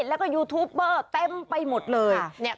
แล้วก็ยูทูปเบอร์เต็มไปหมดเลยเนี่ย